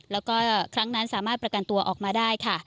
แล้วก็ครั้งนั้นสามารถประกันตัวออกมาได้ค่ะ